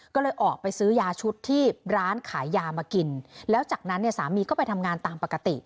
ก็เลยออกไปซื้อยาชุดที่ร้านขายยามากินแล้วจากนั้นเนี่ยสามีก็ไปทำงานตามปกติ